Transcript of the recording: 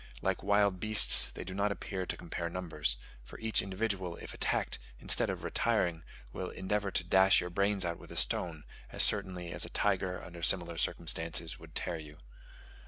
Like wild beasts, they do not appear to compare numbers; for each individual, if attacked, instead of retiring, will endeavour to dash your brains out with a stone, as certainly as a tiger under similar circumstances would tear you.